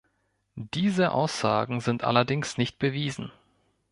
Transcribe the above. Diese Aussagen sind allerdings nicht bewiesen.